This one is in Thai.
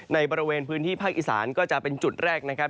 ในบริเวณพื้นที่ภาคอีสานก็จะเป็นจุดแรกนะครับ